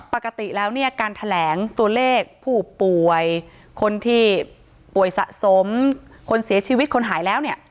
ปกติแล้วเนี่ยการแถลงตัวเลขผู้ป่วยคนที่ป่วยสะสมคนเสียชีวิตคนหายแล้วเนี่ย